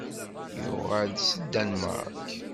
Yuɣal-d seg Danmark.